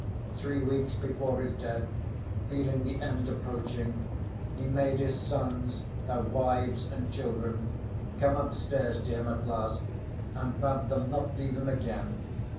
Three weeks before his death, feeling the end approaching, he made his sons, their wives and children, come upstairs to him at last and bade them not leave him again.